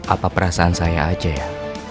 apa perasaan saya aja ya